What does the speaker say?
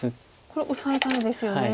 これオサえたいですよね。